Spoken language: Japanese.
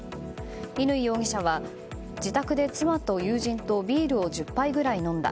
乾容疑者は、自宅で妻と友人とビールを１０杯ぐらい飲んだ。